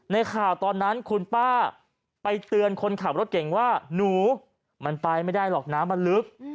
ในข่าวตอนนั้นคุณป้าไปเตือนคนขับรถเก่งว่าหนูมันไปไม่ได้หรอกน้ำมันลึก